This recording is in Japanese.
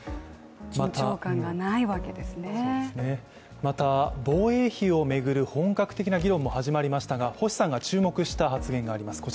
また防衛費を巡る本格的な議論も始まりましたが、星さんが注目した発言があります。